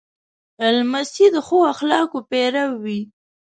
لمسی د ښو اخلاقو پیرو وي.